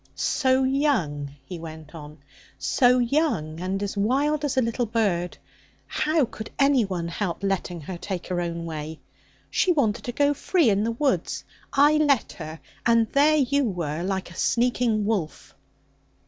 'So young!' he went on 'so young, and as wild as a little bird. How could anyone help letting her take her own way? She wanted to go free in the woods. I let her; and there you were like a sneaking wolf.'